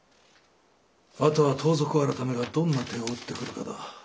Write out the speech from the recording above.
あとは盗賊改がどんな手を打ってくるかだ。